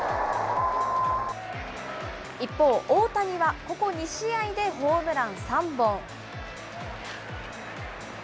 一方、大谷はここ２試合でホームラン３本。